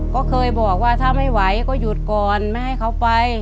ก็เคยบอกว่าถ้าไม่ไหวก็หยุดก่อนไม่ให้เขาไป